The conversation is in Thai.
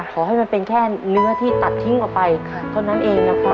ขอให้มันเป็นแค่เนื้อที่ตัดทิ้งออกไปเท่านั้นเองนะครับ